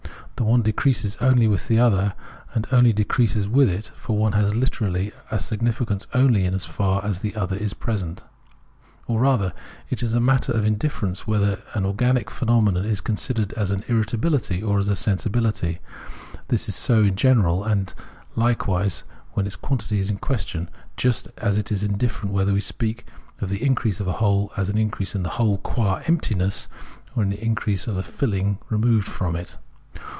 The one decreases only with the other, and only increases with it, for one has hterally a significance only so far as the other is present. Or rather, it is a matter of indifference whether an organic phenomenon is consi dered as irritabihty or as sensibihty ; this is so in general, and hlvcwise when its quantity is in question : just as it is indifferent whether we speak of the increase of a hole as an increase of the hole qua emptiuess or as an increase of the filling removed from it.